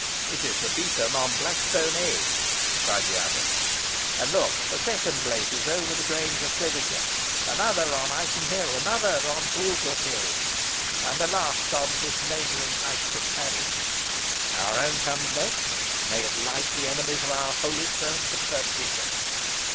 "It is the beacon on Blackstone Edge," cried the abbot; "and look! a second blazes over the Grange of Cliviger another on Ightenhill another on Boulsworth Hill and the last on the neighbouring heights of Padiham. Our own comes next. May it light the enemies of our holy Church to perdition!"